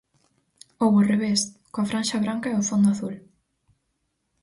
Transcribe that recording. Ou ao revés, coa franxa branca e o fondo azul.